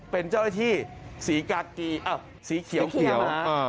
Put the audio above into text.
เป็นเจ้าหน้าที่สีกากีสีเขียว